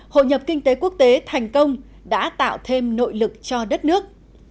hội nhập kinh tế quốc tế thành công đã tạo thêm nội lực cho đất nước